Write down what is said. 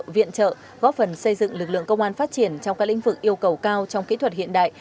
viện trợ góp phần xây dựng lực lượng công an phát triển trong các lĩnh vực yêu cầu cao trong kỹ thuật hiện đại